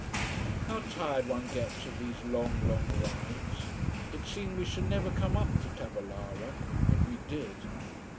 How tired one gets of these long, long rides! It seemed we should never come up to Tavolara. But we did.